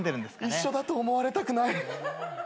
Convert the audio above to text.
一緒だと思われたくない。